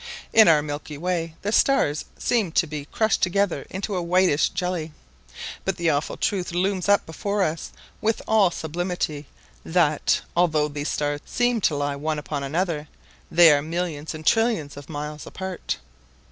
In our Milky Way the stars seem to be crushed together into a whitish jelly, but the awful truth looms up before us with all sublimity that, although these stars seem to lie one upon another, they are millions and trillions of miles apart.